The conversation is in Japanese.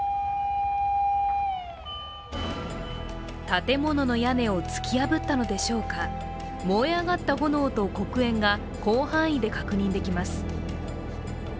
建物の屋根を突き破ったのでしょうか、燃え上がった炎と黒煙が広範囲で確認できます。